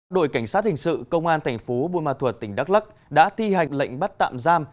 đội cảnh sát hình sự công an thành phố buôn ma thuật tỉnh đắk lắc đã thi hành lệnh bắt tạm giam